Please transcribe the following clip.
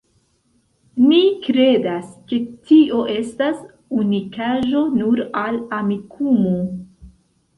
Ni kredas, ke tio estas unikaĵo nur al Amikumu.